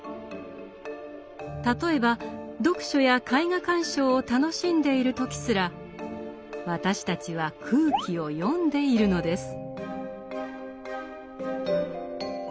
例えば読書や絵画鑑賞を楽しんでいる時すら私たちは空気を読んでいるのです。